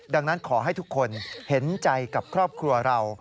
ดังนั้นขอให้ทุกคนเห็นใจกับครอบครัวเรา